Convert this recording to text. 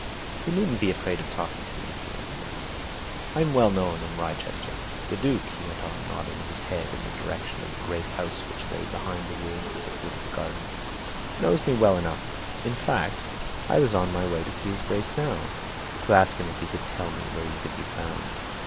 "You needn't be afraid of talking to me," he answered. "I'm well known in Wrychester. The Duke," he went on, nodding his head in the direction of the great house which lay behind the woods at the foot of the garden, "knows me well enough in fact, I was on my way to see his Grace now, to ask him if he could tell me where you could be found.